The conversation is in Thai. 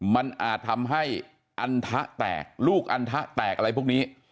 มันอาจทำให้อันทะแตกลูกอันทะแตกอะไรพวกนี้